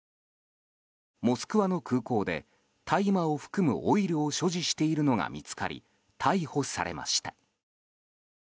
モスクワの空港で大麻を含むオイルを所持しているのが見つかり逮捕されました。